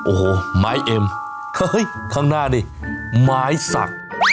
โอ้โหไม้เอ็มเฮ้ยข้างหน้านี่ไม้สัก